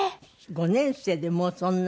５年生でもうそんな。